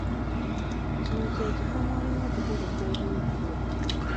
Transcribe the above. Kino ky'ekifo mw'olina okutereka ebintu byo.